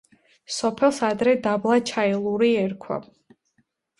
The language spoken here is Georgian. სოფელს ადრე დაბლა ჩაილური ერქვა.